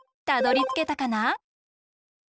たどりつけたかな？